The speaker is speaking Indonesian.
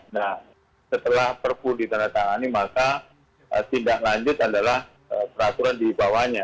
nah setelah perpu ditandatangani maka tindak lanjut adalah peraturan di bawahnya